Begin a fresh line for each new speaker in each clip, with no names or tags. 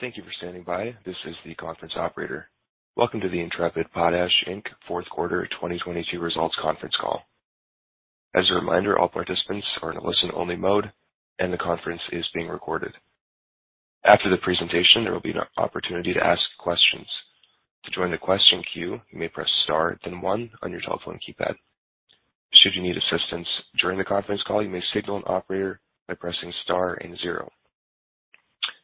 Thank you for standing by. This is the conference operator. Welcome to the Intrepid Potash, Inc. fourth quarter 2022 results conference call. As a reminder, all participants are in listen-only mode, and the conference is being recorded. After the presentation, there will be an opportunity to ask questions. To join the question queue, you may press star then one on your telephone keypad. Should you need assistance during the conference call, you may signal an operator by pressing star and zero.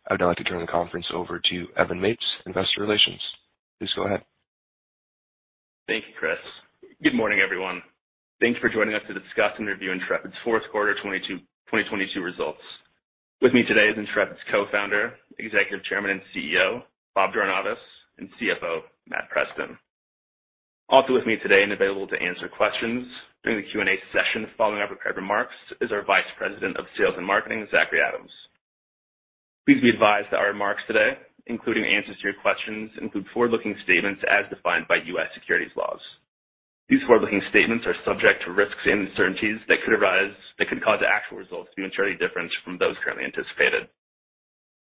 I'd now like to turn the conference over to Evan Mapes, Investor Relations. Please go ahead.
Thank you, Chris. Good morning, everyone. Thanks for joining us to discuss and review Intrepid's fourth quarter 2022 results. With me today is Intrepid's Co-founder, Executive Chairman, and CEO, Bob Jornayvaz, and CFO, Matt Preston. Also with me today and available to answer questions during the Q&A session following our prepared remarks is our Vice President of Sales and Marketing, Zachry Adams. Please be advised that our remarks today, including answers to your questions, include forward-looking statements as defined by U.S. securities laws. These forward-looking statements are subject to risks and uncertainties that could arise that could cause actual results to materially differ from those currently anticipated.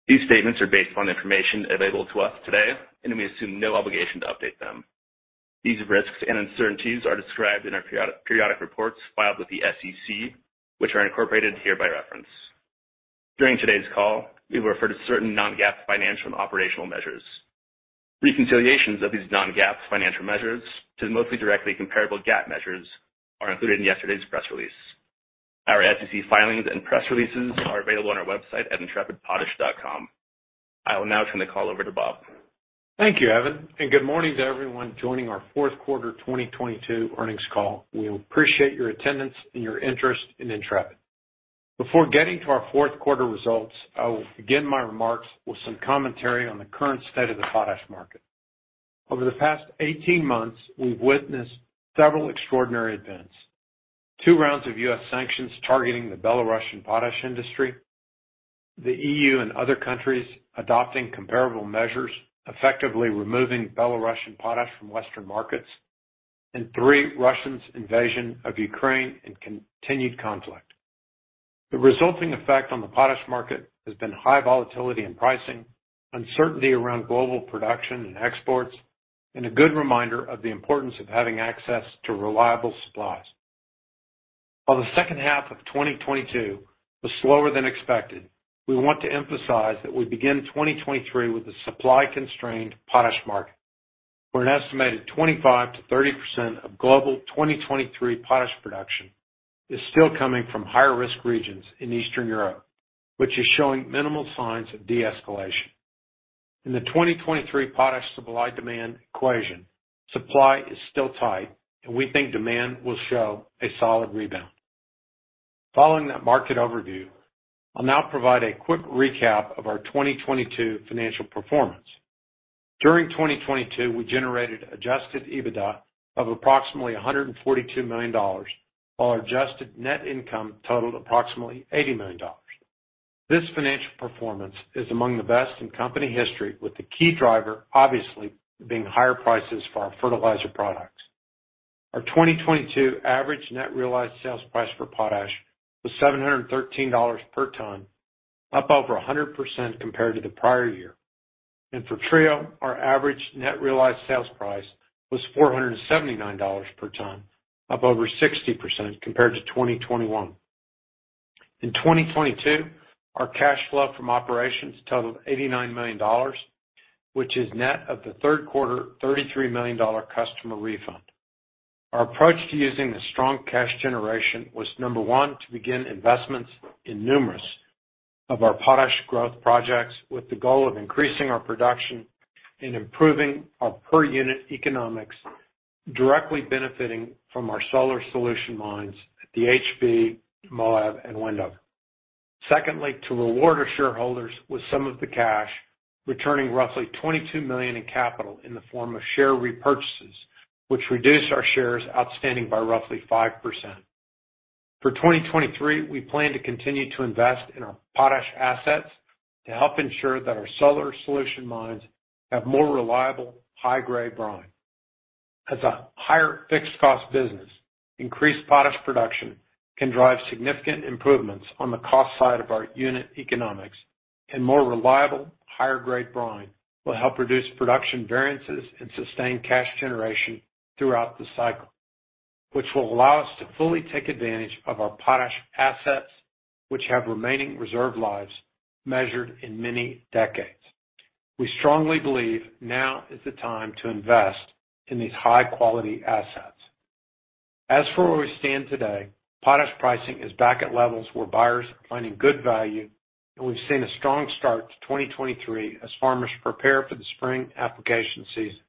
These statements are based upon the information available to us today, and we assume no obligation to update them. These risks and uncertainties are described in our periodic reports filed with the SEC, which are incorporated here by reference. During today's call, we refer to certain non-GAAP financial and operational measures. Reconciliations of these non-GAAP financial measures to the mostly directly comparable GAAP measures are included in yesterday's press release. Our SEC filings and press releases are available on our website at intrepidpotash.com. I will now turn the call over to Bob.
Thank you, Evan. Good morning to everyone joining our fourth quarter 2022 earnings call. We appreciate your attendance and your interest in Intrepid. Before getting to our fourth quarter results, I will begin my remarks with some commentary on the current state of the potash market. Over the past 18 months, we've witnessed several extraordinary events. Two rounds of U.S. sanctions targeting the Belarusian potash industry, the EU and other countries adopting comparable measures, effectively removing Belarusian potash from Western markets, and three, Russia's invasion of Ukraine and continued conflict. The resulting effect on the potash market has been high volatility in pricing, uncertainty around global production and exports, and a good reminder of the importance of having access to reliable supplies. While the second half of 2022 was slower than expected, we want to emphasize that we begin 2023 with a supply-constrained potash market, where an estimated 25%-30% of global 2023 potash production is still coming from higher-risk regions in Eastern Europe, which is showing minimal signs of de-escalation. In the 2023 potash supply-demand equation, supply is still tight, and we think demand will show a solid rebound. Following that market overview, I'll now provide a quick recap of our 2022 financial performance. During 2022, we generated adjusted EBITDA of approximately $142 million, while our adjusted net income totaled approximately $80 million. This financial performance is among the best in company history, with the key driver, obviously, being higher prices for our fertilizer products. Our 2022 average net realized sales price for potash was $713 per ton, up over 100% compared to the prior year. For Trio, our average net realized sales price was $479 per ton, up over 60% compared to 2021. In 2022, our cash flow from operations totaled $89 million, which is net of the third quarter $33 million customer refund. Our approach to using the strong cash generation was, number one, to begin investments in numerous of our Potash growth projects with the goal of increasing our production and improving our per unit economics, directly benefiting from our solar solution mines at the HB, Moab, and Wendover. Secondly, to reward our shareholders with some of the cash, returning roughly $22 million in capital in the form of share repurchases, which reduce our shares outstanding by roughly 5%. For 2023, we plan to continue to invest in our potash assets to help ensure that our solar solution mines have more reliable, high-grade brine. As a higher fixed cost business, increased potash production can drive significant improvements on the cost side of our unit economics, and more reliable, higher-grade brine will help reduce production variances and sustain cash generation throughout the cycle, which will allow us to fully take advantage of our potash assets, which have remaining reserve lives measured in many decades. We strongly believe now is the time to invest in these high-quality assets. As for where we stand today, potash pricing is back at levels where buyers are finding good value, and we've seen a strong start to 2023 as farmers prepare for the spring application season.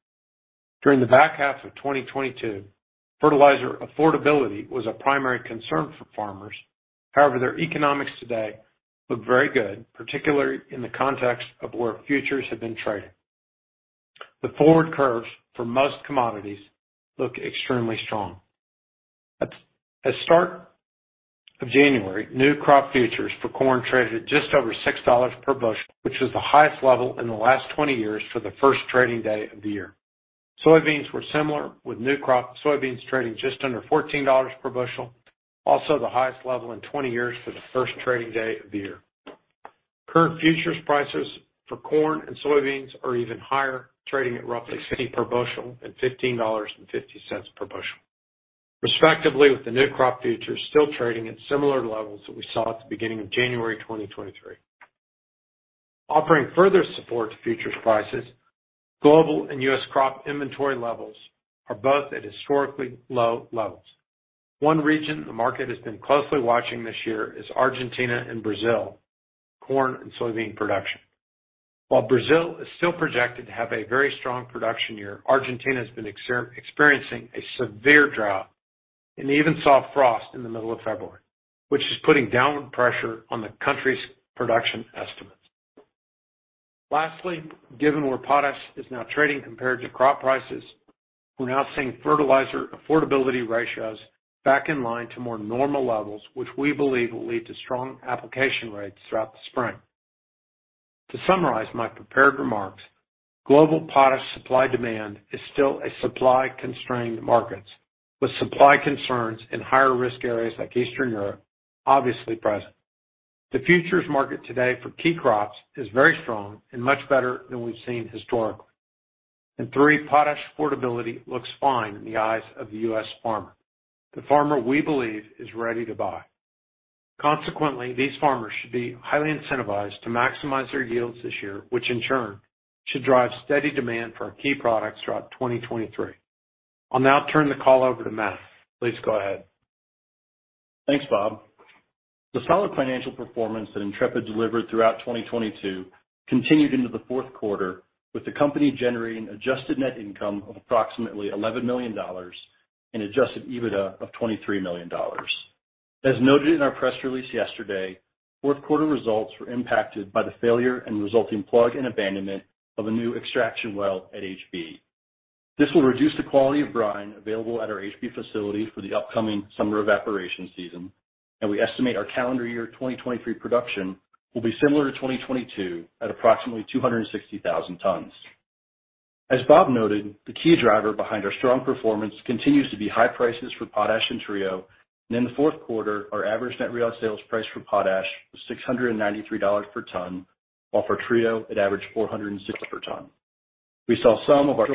During the back half of 2022, fertilizer affordability was a primary concern for farmers. However, their economics today look very good, particularly in the context of where futures have been trading. The forward curves for most commodities look extremely strong. At start of January, new crop futures for corn traded at just over $6 per bushel, which was the highest level in the last 20 years for the first trading day of the year. Soybeans were similar, with new crop soybeans trading just under $14 per bushel, also the highest level in 20 years for the first trading day of the year. Current futures prices for corn and soybeans are even higher, trading at roughly 60 per bushel and $15.50 per bushel. Respectively, with the new crop futures still trading at similar levels that we saw at the beginning of January 2023. Offering further support to futures prices, global and U.S. crop inventory levels are both at historically low levels. One region the market has been closely watching this year is Argentina and Brazil, corn and soybean production. While Brazil is still projected to have a very strong production year, Argentina has been experiencing a severe drought and even saw frost in the middle of February, which is putting downward pressure on the country's production estimates. Lastly, given where potash is now trading compared to crop prices, we're now seeing fertilizer affordability ratios back in line to more normal levels, which we believe will lead to strong application rates throughout the spring. To summarize my prepared remarks, global potash supply-demand is still a supply-constrained market, with supply concerns in higher-risk areas like Eastern Europe obviously present. The futures market today for key crops is very strong and much better than we've seen historically. Three, potash affordability looks fine in the eyes of the U.S. farmer. The farmer, we believe, is ready to buy. Consequently, these farmers should be highly incentivized to maximize their yields this year, which in turn should drive steady demand for our key products throughout 2023. I'll now turn the call over to Matt. Please go ahead.
Thanks, Bob. The solid financial performance that Intrepid delivered throughout 2022 continued into the fourth quarter, with the company generating adjusted net income of approximately $11 million and adjusted EBITDA of $23 million. As noted in our press release yesterday, fourth quarter results were impacted by the failure and resulting plug and abandonment of a new extraction well at HB. We estimate our calendar year 2023 production will be similar to 2022 at approximately 260,000 tons. As Bob noted, the key driver behind our strong performance continues to be high prices for potash and Trio. In the fourth quarter, our average net realized sales price for potash was $693 per ton, while for Trio it averaged $460 per ton. We saw some of our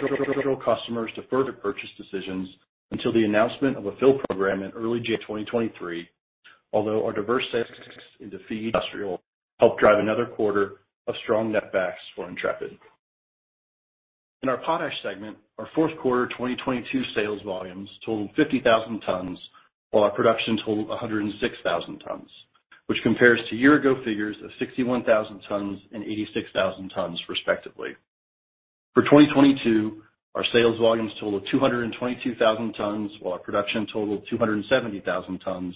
customers defer their purchase decisions until the announcement of a fill program in early June 2023, although our diverse sets into feed industrial helped drive another quarter of strong net backs for Intrepid. In our Potash segment, our fourth quarter 2022 sales volumes totaled 50,000 tons, while our production totaled 106,000 tons, which compares to year-ago figures of 61,000 tons and 86,000 tons, respectively. For 2022, our sales volumes totaled 222,000 tons, while our production totaled 270,000 tons,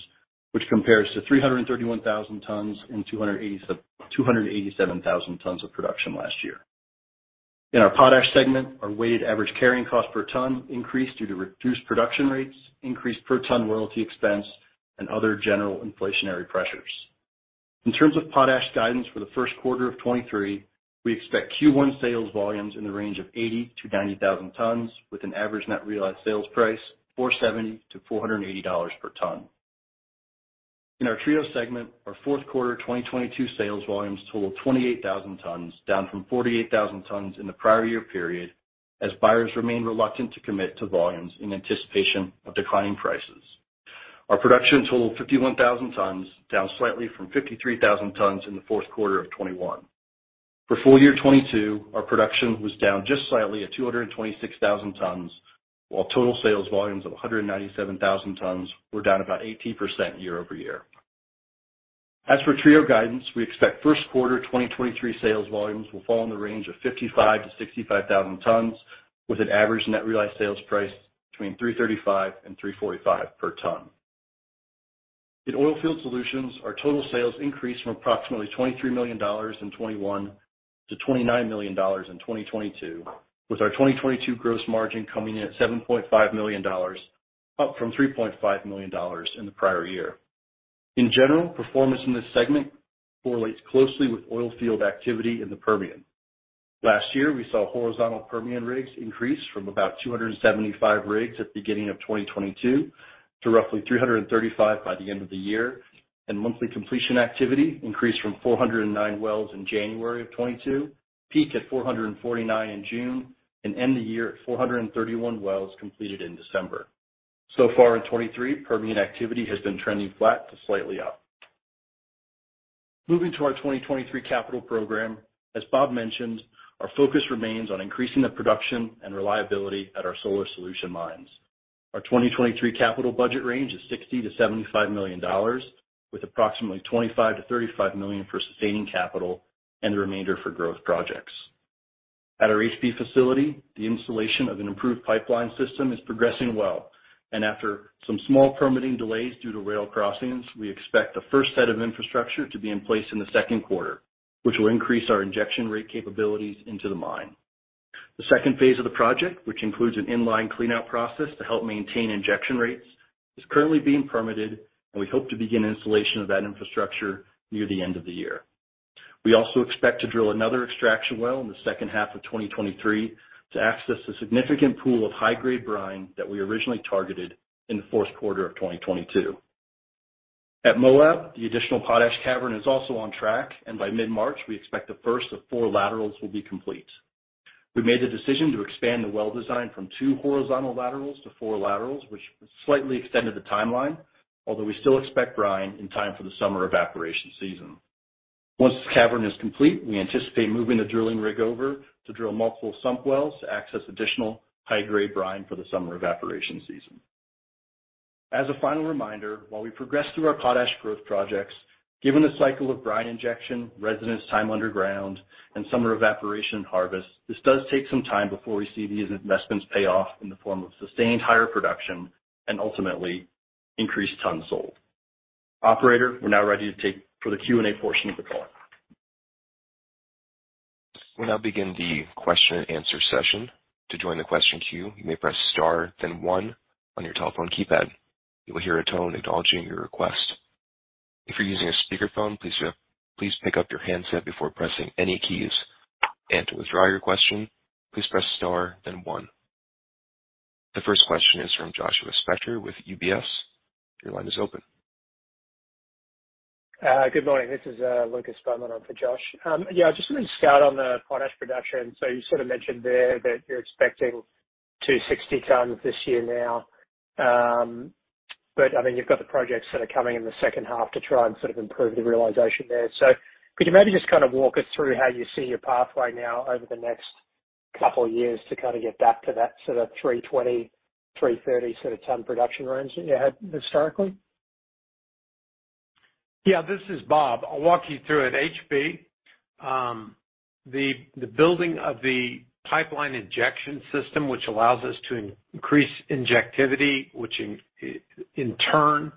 which compares to 331,000 tons and 287,000 tons of production last year. In our Potash segment, our weighted average carrying cost per ton increased due to reduced production rates, increased per-ton royalty expense, and other general inflationary pressures. In terms of Potash guidance for the first quarter of 2023, we expect Q1 sales volumes in the range of 80,000-90,000 tons with an average net realized sales price $470-$480 per ton. In our Trio segment, our fourth quarter 2022 sales volumes totaled 28,000 tons, down from 48,000 tons in the prior year period, as buyers remained reluctant to commit to volumes in anticipation of declining prices. Our production totaled 51,000 tons, down slightly from 53,000 tons in the fourth quarter of 2021. For full year 2022, our production was down just slightly at 226,000 tons, while total sales volumes of 197,000 tons were down about 18% year-over-year. As for Trio guidance, we expect first quarter 2023 sales volumes will fall in the range of 55,000-65,000 tons with an average net realized sales price between $335 and $345 per ton. In Oilfield Solutions, our total sales increased from approximately $23 million in 2021 to $29 million in 2022, with our 2022 gross margin coming in at $7.5 million, up from $3.5 million in the prior year. In general, performance in this segment correlates closely with oilfield activity in the Permian. Last year, we saw horizontal Permian rigs increase from about 275 rigs at the beginning of 2022 to roughly 335 by the end of the year. Monthly completion activity increased from 409 wells in January of 2022, peak at 449 in June, and end the year at 431 wells completed in December. Far in 2023, Permian activity has been trending flat to slightly up. Moving to our 2023 capital program, as Bob mentioned, our focus remains on increasing the production and reliability at our solar solution mines. Our 2023 capital budget range is $60 million-$75 million, with approximately $25 million-$35 million for sustaining capital and the remainder for growth projects. At our HB facility, the installation of an improved pipeline system is progressing well, and after some small permitting delays due to rail crossings, we expect the first set of infrastructure to be in place in the second quarter, which will increase our injection rate capabilities into the mine. The second phase of the project, which includes an in-line cleanout process to help maintain injection rates, is currently being permitted, and we hope to begin installation of that infrastructure near the end of the year.
We also expect to drill another extraction well in the second half of 2023 to access a significant pool of high-grade brine that we originally targeted in the fourth quarter of 2022. At Moab, the additional potash cavern is also on track. By mid-March, we expect the first of four laterals will be complete. We made the decision to expand the well design from two horizontal laterals to four laterals, which slightly extended the timeline. We still expect brine in time for the summer evaporation season. Once the cavern is complete, we anticipate moving the drilling rig over to drill multiple sump wells to access additional high-grade brine for the summer evaporation season. As a final reminder, while we progress through our potash growth projects, given the cycle of brine injection, residence time underground, and summer evaporation harvest, this does take some time before we see these investments pay off in the form of sustained higher production and ultimately increased tons sold. Operator, we're now ready for the Q&A portion of the call.
We'll now begin the question-and-answer session. To join the question queue, you may press star then one on your telephone keypad. You will hear a tone acknowledging your request. If you're using a speakerphone, please pick up your handset before pressing any keys. To withdraw your question, please press star then one. The first question is from Joshua Spector with UBS. Your line is open.
Good morning. This is Lucas Beaumont in for Josh. Just wanted to start on the potash production. You sort of mentioned there that you're expecting 260 tons this year now. I mean, you've got the projects that are coming in the second half to try and sort of improve the realization there. Could you maybe just kind of walk us through how you see your pathway now over the next couple of years to kind of get back to that sort of 320-330 sort of ton production range that you had historically?
Yeah, this is Bob. I'll walk you through it. HB, the building of the pipeline injection system, which allows us to increase injectivity, which in turn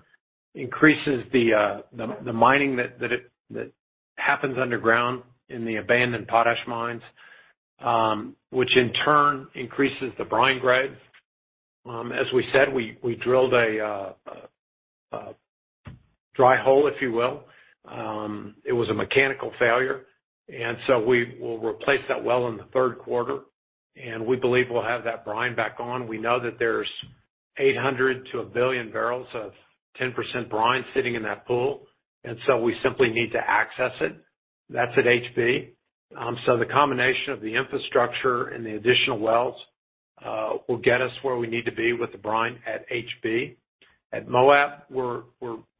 increases the mining that happens underground in the abandoned potash mines, which in turn increases the brine grade. As we said, we drilled a dry hole, if you will. It was a mechanical failure, and so we will replace that well in the third quarter, and we believe we'll have that brine back on. We know that there's 800 to 1 billion barrels of 10% brine sitting in that pool, and so we simply need to access it. That's at HB. So the combination of the infrastructure and the additional wells will get us where we need to be with the brine at HB. At Moab, we're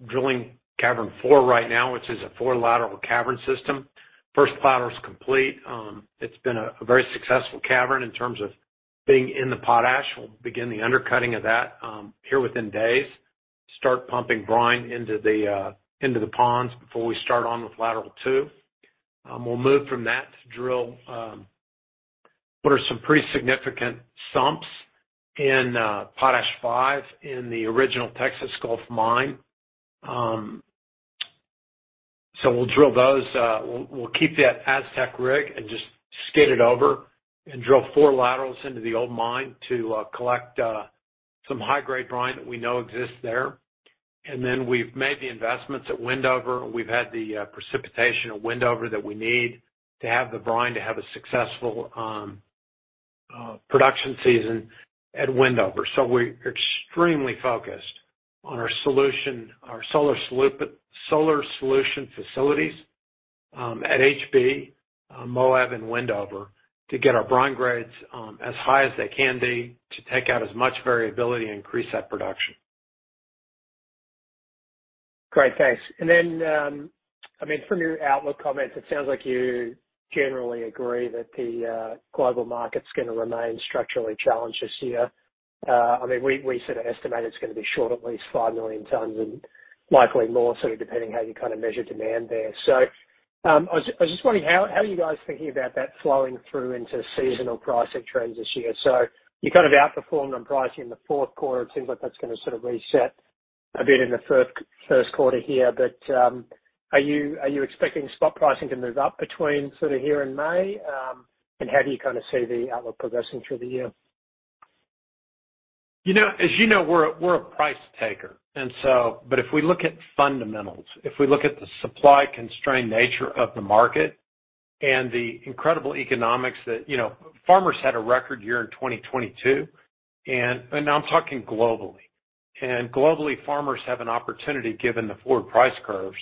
drilling cavern 4 right now, which is a four-lateral cavern system. First lateral is complete. It's been a very successful cavern in terms of being in the potash. We'll begin the undercutting of that here within days. Start pumping brine into the ponds before we start on with lateral 2. We'll move from that to drill what are some pretty significant sumps in Potash 5 in the original Texas Gulf Mine. We'll drill those. We'll keep that Aztec rig and just skid it over and drill four laterals into the old mine to collect some high-grade brine that we know exists there. We've made the investments at Wendover, and we've had the precipitation at Wendover that we need to have the brine to have a successful production season at Wendover. We're extremely focused on our solution, our solar solution facilities at HB, Moab and Wendover to get our brine grades as high as they can be to take out as much variability and increase that production.
Great. Thanks. I mean, from your outlook comments, it sounds like you generally agree that the global market's gonna remain structurally challenged this year. I mean, we sort of estimate it's gonna be short at least 5 million tons and likely more, sort of depending on how you kind of measure demand there. I was just wondering how are you guys thinking about that flowing through into seasonal pricing trends this year? You kind of outperformed on pricing in the fourth quarter. It seems like that's gonna sort of reset a bit in the first quarter here. Are you expecting spot pricing to move up between sort of here and May? And how do you kind of see the outlook progressing through the year?
You know, as you know, we're a price taker. If we look at fundamentals, if we look at the supply-constrained nature of the market and the incredible economics that, you know, farmers had a record year in 2022, and now I'm talking globally. Globally, farmers have an opportunity, given the forward price curves,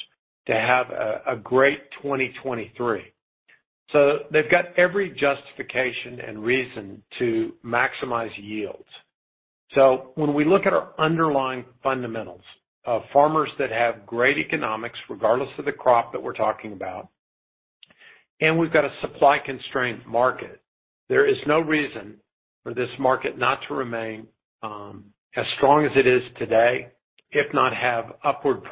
to have a great 2023. They've got every justification and reason to maximize yields. When we look at our underlying fundamentals of farmers that have great economics, regardless of the crop that we're talking about, and we've got a supply-constrained market, there is no reason for this market not to remain as strong as it is today, if not have upward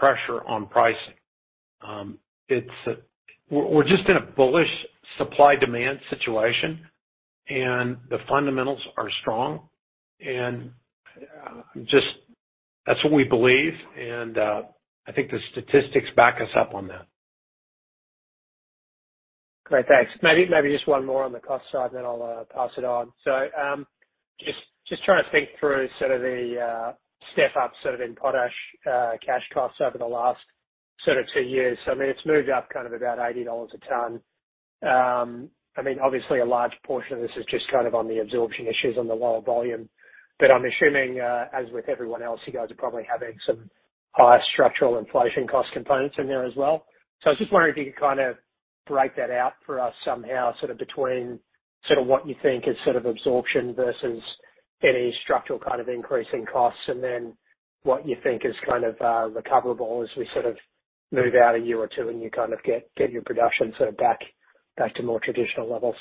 pressure on pricing. We're just in a bullish supply-demand situation, and the fundamentals are strong. Just, that's what we believe. I think the statistics back us up on that.
Great. Thanks. Maybe just one more on the cost side, then I'll pass it on. just trying to think through sort of the step up sort of in potash cash costs over the last sort of two years. I mean, it's moved up kind of about $80 a ton. I mean, obviously a large portion of this is just kind of on the absorption issues on the lower volume. I'm assuming as with everyone else, you guys are probably having some higher structural inflation cost components in there as well. I was just wondering if you could kinda break that out for us somehow, sort of between what you think is absorption versus any structural kind of increase in costs, and then what you think is kind of recoverable as we sort of move out a year or two, and you kind of get your production sort of back to more traditional levels.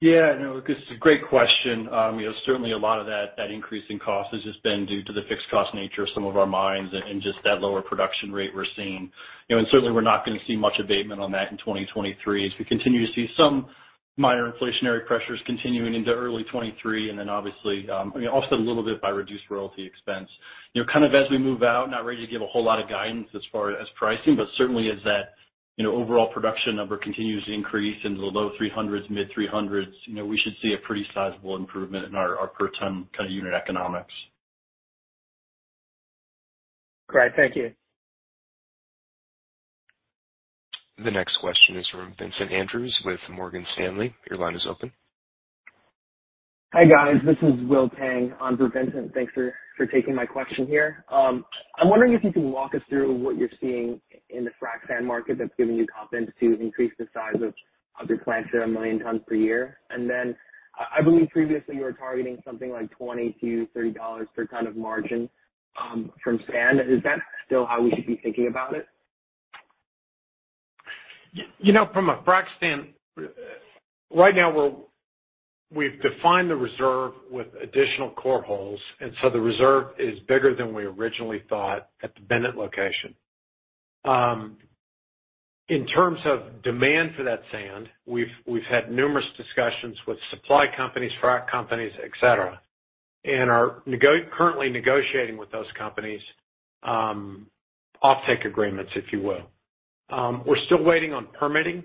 Yeah. No, Lucas, it is a great question. You know, certainly a lot of that increase in cost has just been due to the fixed cost nature of some of our mines and just that lower production rate we're seeing. You know, certainly, we're not gonna see much abatement on that in 2023, as we continue to see some minor inflationary pressures continuing into early 2023. Obviously, you know, offset a little bit by reduced royalty expense. You know, kind of as we move out, not ready to give a whole lot of guidance as far as pricing, but certainly, as that, you know, overall production number continues to increase into the low 300s, mid-300s, you know, we should see a pretty sizable improvement in our per ton kind of unit economics.
Great. Thank you.
The next question is from Vincent Andrews with Morgan Stanley. Your line is open.
Hi, guys. This is William Tang on for Vincent. Thanks for taking my question here. I'm wondering if you can walk us through what you're seeing in the frac sand market that's giving you confidence to increase the size of your plants there 1 million tons per year. Then, I believe previously you were targeting something like $20-$30 per ton of margin from sand. Is that still how we should be thinking about it?
You know, from a frac sand, right now we've defined the reserve with additional core holes, and so the reserve is bigger than we originally thought at the Bennett location. In terms of demand for that sand, we've had numerous discussions with supply companies, frac companies, et cetera, and are currently negotiating with those companies offtake agreements, if you will. We're still waiting on permitting.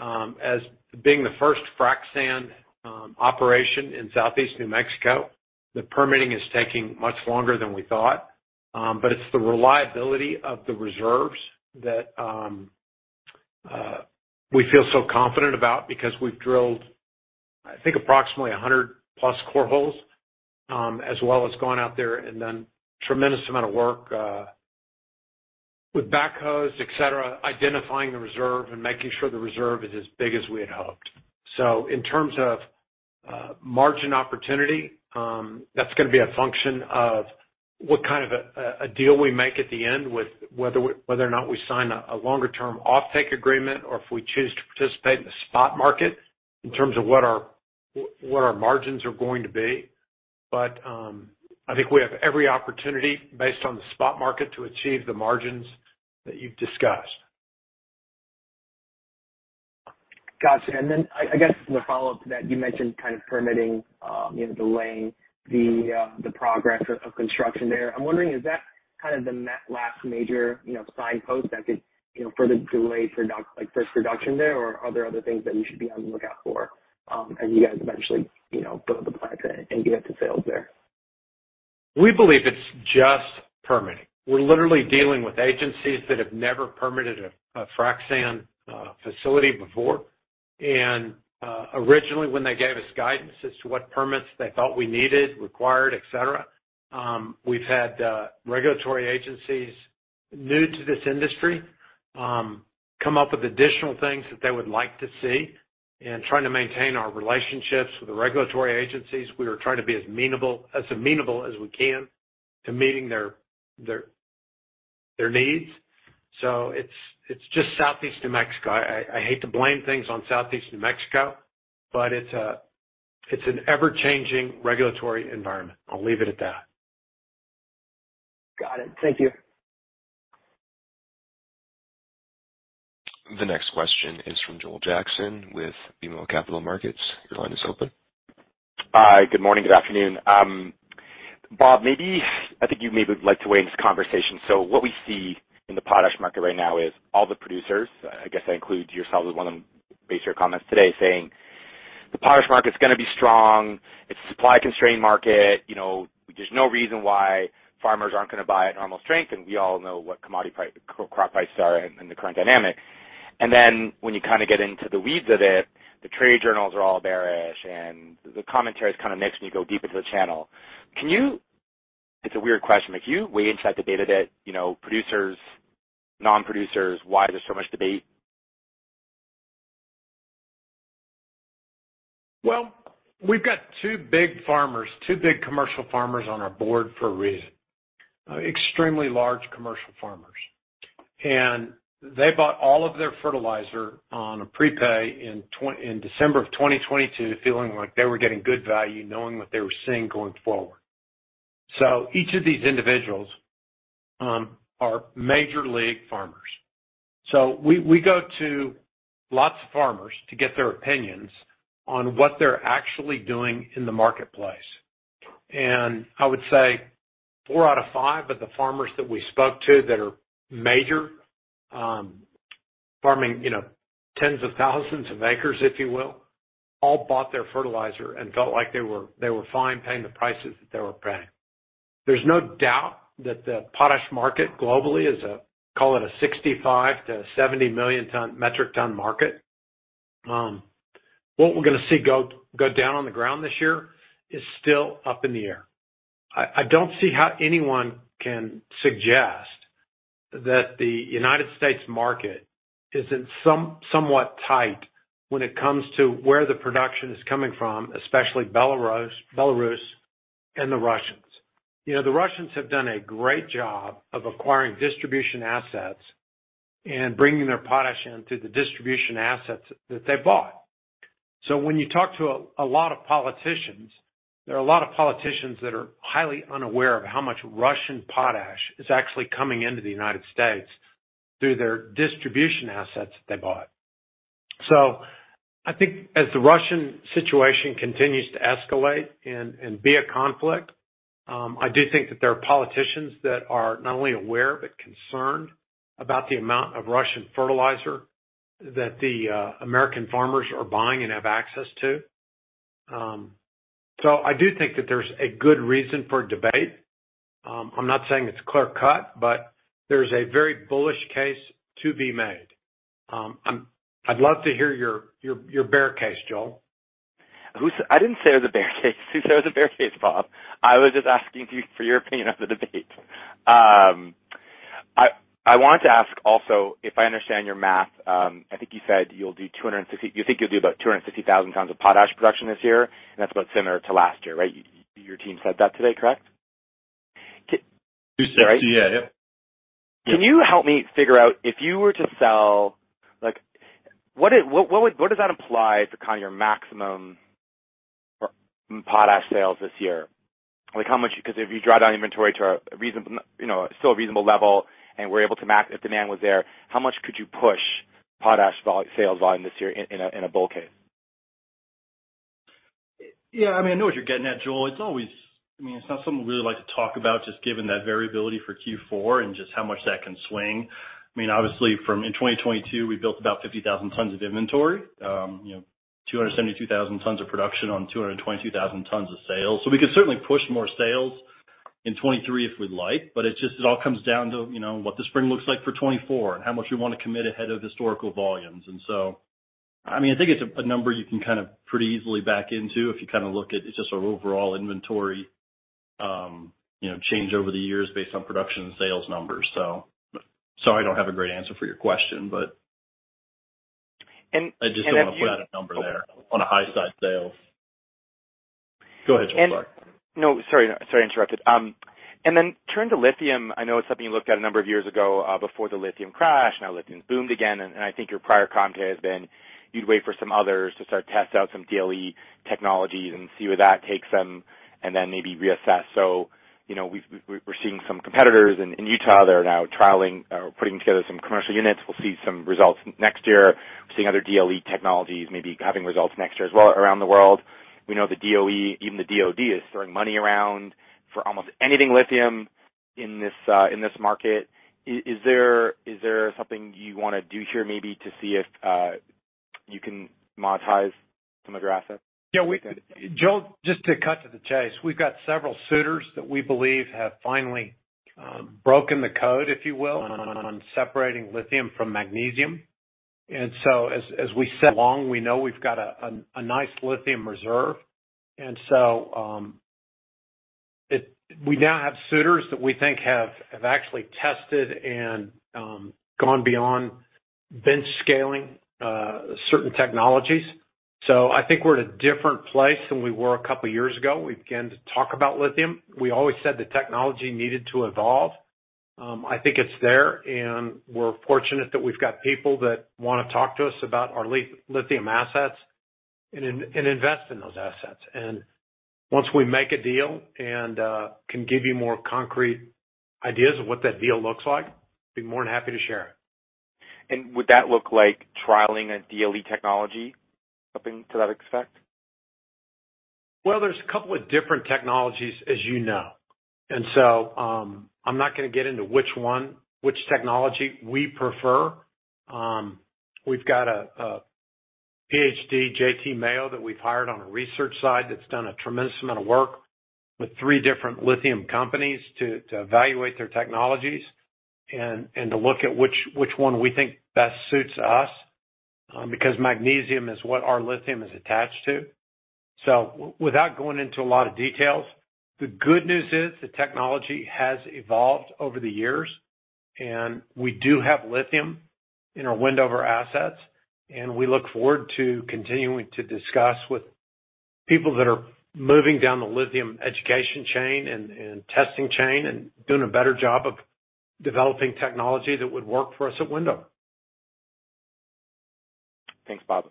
As being the first frac sand operation in Southeast New Mexico, the permitting is taking much longer than we thought. It's the reliability of the reserves that we feel so confident about because we've drilled, I think, approximately 100+ core holes, as well as gone out there and done a tremendous amount of work with backhoes, et cetera, identifying the reserve and making sure the reserve is as big as we had hoped. In terms of margin opportunity, that's gonna be a function of what kind of a deal we make at the end with whether or not we sign a longer term offtake agreement or if we choose to participate in the spot market in terms of what our, what our margins are going to be. I think we have every opportunity based on the spot market to achieve the margins that you've discussed.
Gotcha. I guess the follow-up to that, you mentioned kind of permitting, you know, delaying the progress of construction there. I'm wondering, is that kind of the last major, you know, signpost that could, you know, further delay like, first production there? Are there other things that we should be on the lookout for, as you guys eventually, you know, build the plants and get to sales there?
We believe it's just permitting. We're literally dealing with agencies that have never permitted a frac sand facility before. Originally, when they gave us guidance as to what permits they thought we needed, required, et cetera, we've had regulatory agencies new to this industry come up with additional things that they would like to see. Trying to maintain our relationships with the regulatory agencies, we are trying to be as amenable as we can to meeting their, their needs. It's just Southeast New Mexico. I hate to blame things on Southeast New Mexico, but it's a, it's an ever-changing regulatory environment. I'll leave it at that.
Got it. Thank you.
The next question is from Joel Jackson with BMO Capital Markets. Your line is open.
Hi, good morning. Good afternoon. Bob, maybe I think you maybe would like to weigh in this conversation. What we see in the potash market right now is all the producers, I guess that includes yourself as one of them, based on your comments today, saying the potash market's gonna be strong. It's a supply-constrained market. You know, there's no reason why farmers aren't gonna buy at normal strength, and we all know what commodity crop prices are and the current dynamic. When you kinda get into the weeds of it, the trade journals are all bearish, and the commentary is kinda mixed when you go deep into the channel. It's a weird question, but can you weigh inside the data that, you know, producers, non-producers, why there's so much debate?
We've got two big farmers, two big commercial farmers on our Board for a reason. Extremely large commercial farmers. They bought all of their fertilizer on a prepay in December of 2022, feeling like they were getting good value, knowing what they were seeing going forward. Each of these individuals are major league farmers. We go to lots of farmers to get their opinions on what they're actually doing in the marketplace. I would say four out of five of the farmers that we spoke to that are major, farming, you know, tens of thousands of acres, if you will, all bought their fertilizer and felt like they were fine paying the prices that they were paying. There's no doubt that the potash market globally is a, call it a 65 million-70 million metric ton market. What we're gonna see go down on the ground this year is still up in the air. I don't see how anyone can suggest that the United States market isn't somewhat tight when it comes to where the production is coming from, especially Belarus and the Russians. You know, the Russians have done a great job of acquiring distribution assets and bringing their potash in through the distribution assets that they bought. When you talk to a lot of politicians, there are a lot of politicians that are highly unaware of how much Russian potash is actually coming into the United States through their distribution assets that they bought. I think as the Russian situation continues to escalate and be a conflict, I do think that there are politicians that are not only aware, but concerned about the amount of Russian fertilizer that the American farmers are buying and have access to. I do think that there's a good reason for debate. I'm not saying it's clear-cut, but there's a very bullish case to be made. I'd love to hear your bear case, Joel.
Who said... I didn't say it was a bear case. Who said it was a bear case, Bob? I was just asking you for your opinion on the debate. I wanted to ask also, if I understand your math, I think you said you'll do about 250,000 tons of potash production this year, and that's about similar to last year, right? Your team said that today, correct?
Yeah. Yep.
Can you help me figure out if you were to sell, like, what does that imply to kind of your maximum potash sales this year? Like, how much... 'Cause if you draw down inventory to a reasonable, you know, still a reasonable level and we're able to max if demand was there, how much could you push potash sales volume this year in a bull case?
Yeah. I mean, I know what you're getting at, Joel. It's always. I mean, it's not something we really like to talk about, just given that variability for Q4 and just how much that can swing. I mean, obviously, from in 2022, we built about 50,000 tons of inventory. You know, 272,000 tons of production on 222,000 tons of sales. We could certainly push more sales in 2023 if we'd like, but it just, it all comes down to, you know, what the spring looks like for 2024 and how much we wanna commit ahead of historical volumes. I mean, I think it's a number you can kind of pretty easily back into if you kinda look at just our overall inventory, you know, change over the years based on production and sales numbers. Sorry, I don't have a great answer for your question.
If you.
I just didn't wanna flat out a number there on a high side sales. Go ahead, Joel. Sorry.
No. Sorry, I interrupted. Turn to lithium. I know it's something you looked at a number of years ago, before the lithium crash. Now lithium's boomed again, and I think your prior commentary has been you'd wait for some others to start testing out some DLE technologies and see where that takes them and then maybe reassess. You know, we're seeing some competitors in Utah that are now trialing or putting together some commercial units. We'll see some results next year. We're seeing other DLE technologies, maybe having results next year as well, around the world. We know the DOE, even the DOD, is throwing money around for almost anything lithium in this market. Is there something you wanna do here, maybe to see if you can monetize some of your assets?
Yeah. Joel, just to cut to the chase, we've got several suitors that we believe have finally broken the code, if you will, on separating lithium from magnesium. As we said along, we know we've got a nice lithium reserve. We now have suitors that we think have actually tested and gone beyond bench scaling certain technologies. I think we're at a different place than we were a couple of years ago when we began to talk about lithium. We always said the technology needed to evolve. I think it's there, and we're fortunate that we've got people that wanna talk to us about our lithium assets and invest in those assets. Once we make a deal and can give you more concrete ideas of what that deal looks like, I'd be more than happy to share it.
Would that look like trialing a DLE technology, something to that effect?
There's a couple of different technologies, as you know. I'm not gonna get into which one, which technology we prefer. We've got a PhD, J.T. Mayo, that we've hired on a research side that's done a tremendous amount of work with three different lithium companies to evaluate their technologies and to look at which one we think best suits us because magnesium is what our lithium is attached to. Without going into a lot of details, the good news is the technology has evolved over the years, and we do have lithium in our Wendover assets, and we look forward to continuing to discuss with people that are moving down the lithium education chain and testing chain and doing a better job of developing technology that would work for us at Wendover.
Thanks, Bob.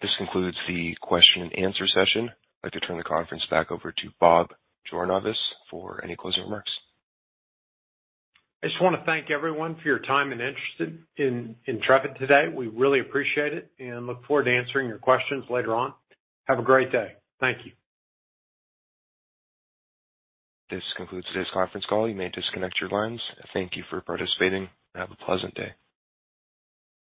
This concludes the question and answer session. I'd like to turn the conference back over to Bob Jornayvaz for any closing remarks. I just wanna thank everyone for your time and interest in Intrepid today. We really appreciate it and look forward to answering your questions later on. Have a great day. Thank you. This concludes today's conference call. You may disconnect your lines. Thank you for participating and have a pleasant day.